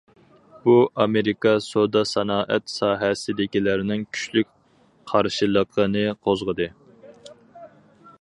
بۇ ئامېرىكا سودا- سانائەت ساھەسىدىكىلەرنىڭ كۈچلۈك قارشىلىقىنى قوزغىدى.